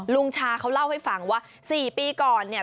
ลุงชาเขาเล่าให้ฟังว่า๔ปีก่อนเนี่ย